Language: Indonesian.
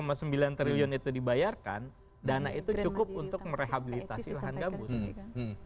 kalau sembilan triliun itu dibayarkan dana itu cukup untuk merehabilitasi lahan gambut